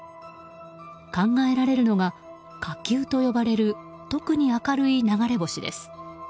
考えられるのは、火球と呼ばれる特に明るい流れ星です。